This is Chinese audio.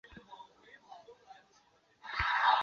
碲酸可由碲或二氧化碲被双氧水或三氧化铬氧化制备。